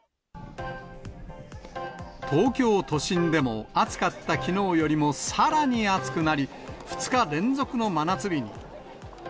東京都心でも、暑かったきのうよりもさらに暑くなり、２日連続の真夏日に。